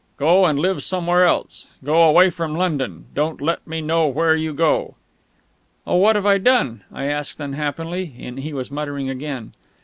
Go and live somewhere else go away from London don't let me know where you go " "Oh, what have I done?" I asked unhappily; and he was muttering again.